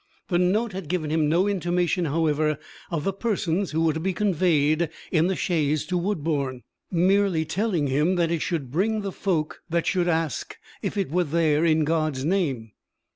The note had given him no intimation, however, of the persons who were to be conveyed in the chaise to Woodbourne, merely telling him that it should bring the folk that should ask if it were there in God's name.